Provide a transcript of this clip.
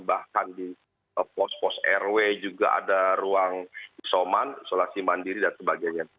bahkan di pos pos rw juga ada ruang isoman isolasi mandiri dan sebagainya